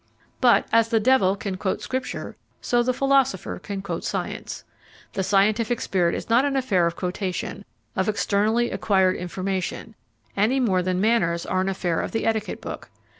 But as the devil can quote Scripture, so the philosopher can quote science. The scientific spirit is not an affair of quotation, of externally acquired information, any more than manners are an affair of the etiquette book.